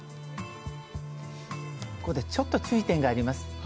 ここでちょっと注意点があります。